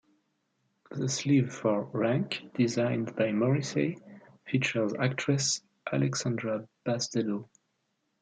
The sleeve for "Rank", designed by Morrissey, features actress Alexandra Bastedo.